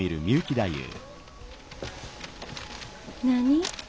何？